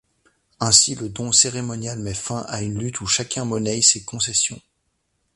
Ainsi le don cérémoniel met fin à une lutte où chacun monnaye ses concessions.